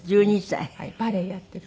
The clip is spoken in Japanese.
バレエやってる。